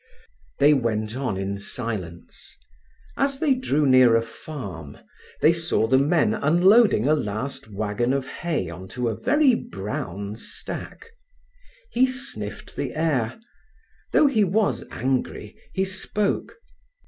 They went on in silence. As they drew near a farm they saw the men unloading a last wagon of hay on to a very brown stack. He sniffed the air. Though he was angry, he spoke.